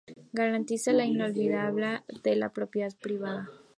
Garantiza la inviolabilidad de la propiedad privada.